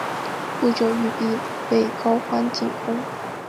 不久玉壁为高欢进攻。